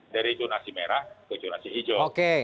dari jonasi merah ke jonasi hijau